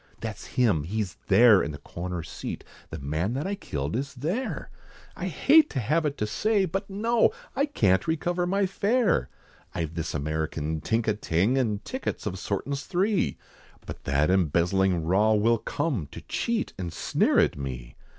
That's him! he's there in the corner seat, The man that I killed is there, I hate to have it to say, But no, I can't recover my fare! I've this American tink a ting, And tickets of sortin's three, But that embezzling raw will come To cheat, and sneer at me.